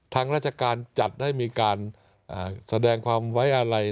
ทางราชการจัดให้มีการแสดงความไว้อะไร